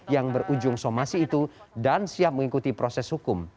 yang berujung somasi itu dan siap mengikuti proses hukum